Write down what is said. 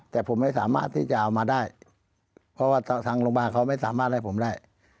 แต่ผมไม่สามารถที่จะเอามาได้เพราะว่าทางโรงพยาบาลเขาไม่สามารถให้ผมได้